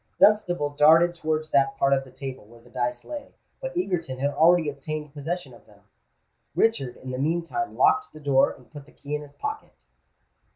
Dunstable darted towards that part of the table where the dice lay; but Egerton had already obtained possession of them. Richard in the meantime locked the door, and put the key in his pocket.